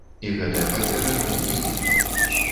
І гэтая папера не гіне.